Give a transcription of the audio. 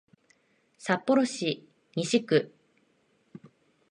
札幌市西区